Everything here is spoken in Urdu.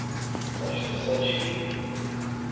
سچ تو سچ ہی